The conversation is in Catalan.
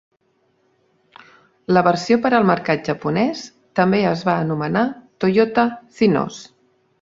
La versió per al mercat japonès també es va anomenar "Toyota Cynos".